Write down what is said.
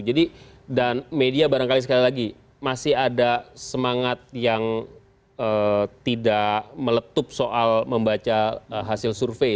jadi dan media barangkali sekali lagi masih ada semangat yang tidak meletup soal membaca hasil survei